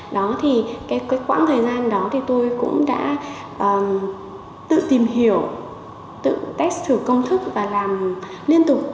đó thì cái quãng thời gian đó thì tôi cũng đã tự tìm hiểu tự test thử công thức và làm liên tục